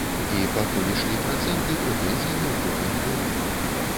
І пакуль ішлі працэнты, прэтэнзій ні ў кога не было.